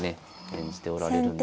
演じておられるんで。